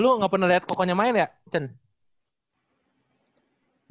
lu ga pernah liat kokonya main ya cen